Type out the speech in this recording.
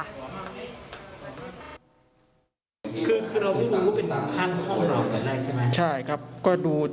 อ้าวข้างหนึ่ง